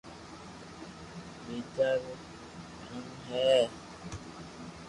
ٻيجا رو ڪانو ھي